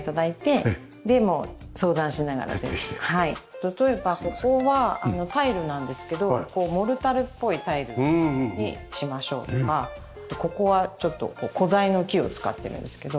例えばここはタイルなんですけどモルタルっぽいタイルにしましょうとかここはちょっと古材の木を使ってるんですけど。